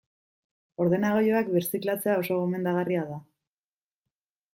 Ordenagailuak birziklatzea oso gomendagarria da.